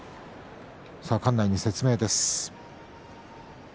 館内に説明です。